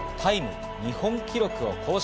日本記録を更新。